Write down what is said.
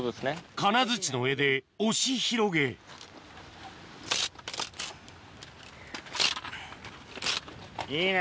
金づちの柄で押し広げいいね！